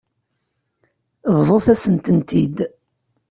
Bḍut-as-tent-id.